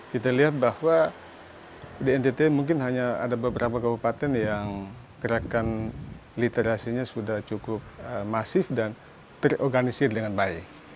kita lihat bahwa di ntt mungkin hanya ada beberapa kabupaten yang gerakan literasinya sudah cukup masif dan terorganisir dengan baik